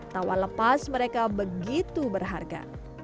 tawa lepas mereka begitu berharga